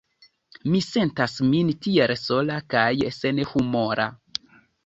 Mi sentas min tiel sola kaj senhumora."